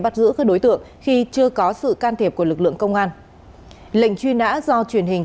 bắt giữ các đối tượng khi chưa có sự can thiệp của lực lượng công an lệnh truy nã do truyền hình